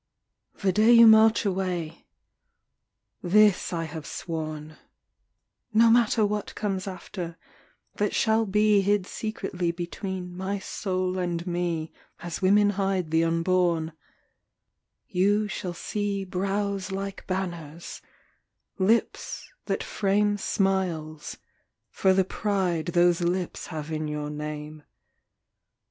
The day you march away this I have sworn, No matter what comes after, that shall be Hid secretly between my soul and me As women hide the unborn You shall see brows like banners, lips that frame Smiles, for the pride those lips have in your name.